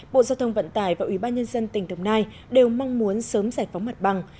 bộ giao thông vận tải và ủy ban nhân dân tỉnh đồng nai đều mong muốn sớm giải phóng mặt bằng